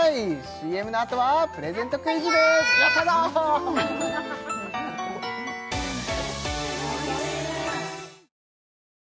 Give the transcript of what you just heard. ＣＭのあとはプレゼントクイズですやったじょやったぞ！